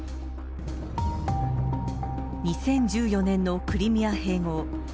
２０１４年のクリミア併合。